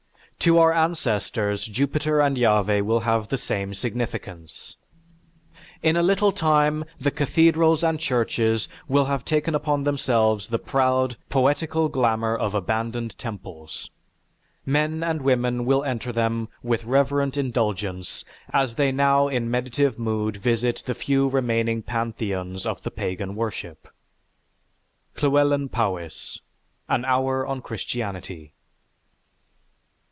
To our ancestors Jupiter and Yahveh will have the same significance. "In a little time the cathedrals and churches will have taken upon themselves the proud, poetical glamour of abandoned temples. Men and women will enter them with reverent indulgence as they now in meditative mood visit the few remaining pantheons of the pagan worship." (Llewelyn Powys: "_An Hour On Christianity.